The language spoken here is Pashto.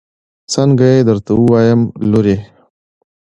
څنګه يې درته ووايم لورې.